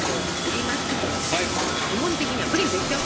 基本的にはプリンと一緒。